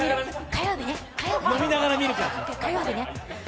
火曜日ね。